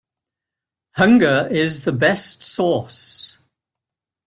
Hunger is the best sauce.